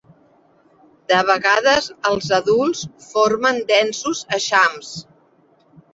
De vegades els adults formen densos eixams.